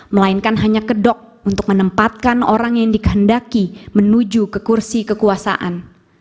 melainkan hanya kedok untuk menempatkan orang yang dikehendaki menuju ke kursi kekuasaan